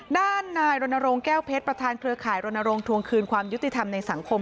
ด้านนายรณรงค์แก้วเพชรประธานเครือข่ายรณรงค์ทวงคืนความยุติธรรมในสังคม